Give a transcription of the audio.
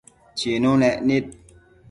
Chinunec nid